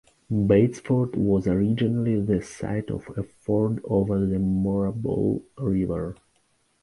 Batesford was originally the site of a ford over the Moorabool River.